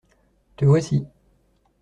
Te voici.